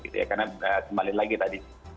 karena kembali lagi tadi